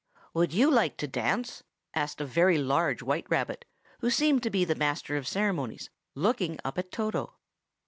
"Would you like to dance?" asked a very large white rabbit, who seemed to be the master of ceremonies, looking up at Toto.